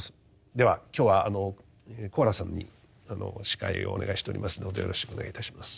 では今日は小原さんに司会をお願いしておりますのでよろしくお願いいたします。